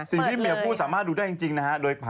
สิ่งที่เหมียพูดสามารถดูได้จริงนะฮะ